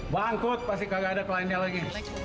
bangkut pasti nggak ada kliennya lagi